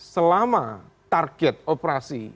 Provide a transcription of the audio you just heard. selama target operasi